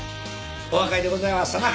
お分かりでございましたな？